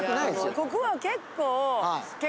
ここは結構。